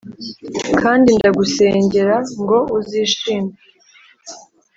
kandi ndagusengera ngo uzishime